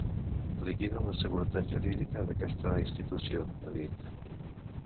Liquiden la seguretat jurídica d’aquesta institució, ha dit.